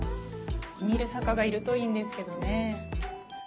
気に入る作家がいるといいんですけどね。